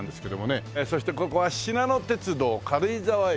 そしてここはしなの鉄道軽井沢駅の旧駅舎口。